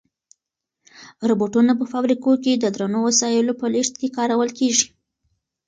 روبوټونه په فابریکو کې د درنو وسایلو په لېږد کې کارول کیږي.